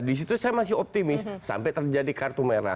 di situ saya masih optimis sampai terjadi kartu merah